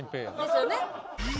ですよね？